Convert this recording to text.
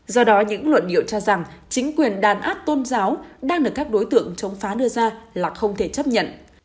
do đó những luận điệu cho rằng chính quyền đàn áp tôn giáo đang được các đối tượng chống phá đưa ra là không thể chấp nhận